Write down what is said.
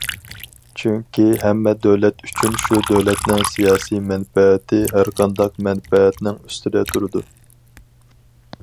چۈنكى، ھەممە دۆلەت ئۈچۈن شۇ دۆلەتنىڭ سىياسىي مەنپەئەتى ھەرقانداق مەنپەئەتنىڭ ئۈستىدە تۇرىدۇ.